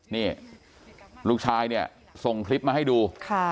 นี่ลูกชายเนี่ยส่งคลิปมาให้ดู